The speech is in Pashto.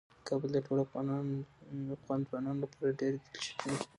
کابل د ټولو افغان ځوانانو لپاره ډیره دلچسپي لري.